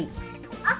あ！